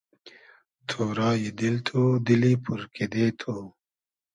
تۉرای دیل تو ، دیلی پور کیدې تو